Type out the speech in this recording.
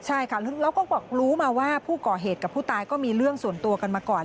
ใช่ค่ะแล้วก็บอกรู้มาว่าผู้ก่อเหตุกับผู้ตายก็มีเรื่องส่วนตัวกันมาก่อน